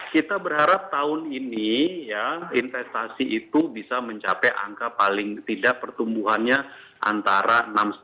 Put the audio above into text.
kita berharap tahun ini ya investasi itu bisa mencapai angka paling tidak pertumbuhannya antara enam lima